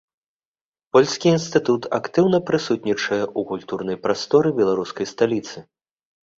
Польскі інстытут актыўна прысутнічае у культурнай прасторы беларускай сталіцы.